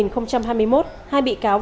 năm hai nghìn hai mươi một hai bị cáo